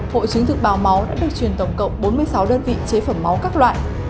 hội chứng thực báo máu đã được truyền tổng cộng bốn mươi sáu đơn vị chế phẩm máu các loại